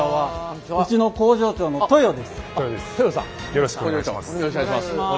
よろしくお願いします。